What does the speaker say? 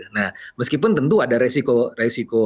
nah meskipun tentu ada resiko resiko